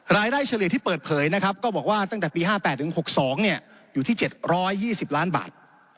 เฉลี่ยที่เปิดเผยนะครับก็บอกว่าตั้งแต่ปี๕๘ถึง๖๒อยู่ที่๗๒๐ล้านบาท